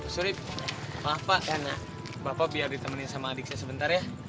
surip maaf pak bapak biar ditemenin sama adik saya sebentar ya